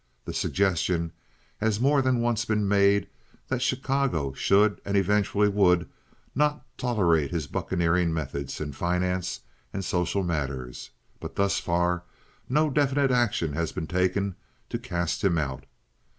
The suggestion has more than once been made that Chicago should and eventually would not tolerate his bucaneering methods in finance and social matters; but thus far no definite action has been taken to cast him out.